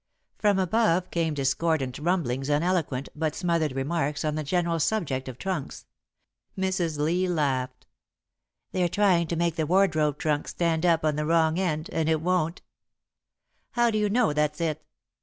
From above came discordant rumblings and eloquent, but smothered remarks on the general subject of trunks. Mrs. Lee laughed. "They're trying to make the wardrobe trunk stand up on the wrong end, and it won't." "How do you know that's it?"